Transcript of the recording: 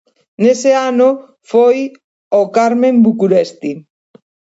En ese año se fue al Carmen București.